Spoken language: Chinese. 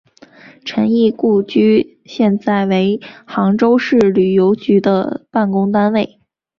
陈仪故居现在成为杭州市旅游局的办公单位。